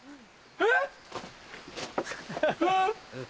えっ？